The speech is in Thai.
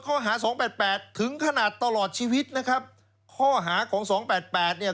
ข้อหาสองแปดแปดถึงขนาดตลอดชีวิตนะครับข้อหาของสองแปดแปดเนี่ย